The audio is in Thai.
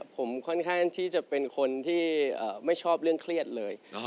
ผมค่อนข้างที่จะเป็นคนที่ไม่ชอบเรื่องเครียดเลย